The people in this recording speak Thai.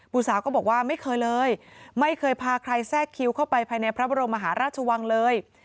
สาวก็บอกว่าไม่เคยเลยไม่เคยพาใครแทรกคิวเข้าไปภายในพระบรมมหาราชวังเลย